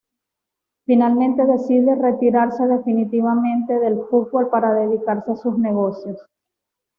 Finalmente decide retirarse definitivamente del fútbol para dedicarse a sus negocios.